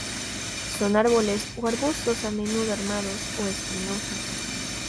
Son árboles o arbustos, a menudo armados o espinosos.